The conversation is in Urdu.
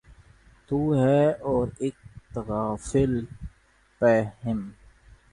تو ہے اور اک تغافل پیہم